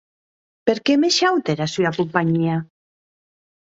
Perque me shaute era sua companhia?